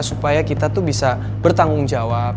supaya kita tuh bisa bertanggung jawab